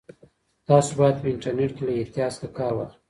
تاسو باید په انټرنیټ کې له احتیاط څخه کار واخلئ.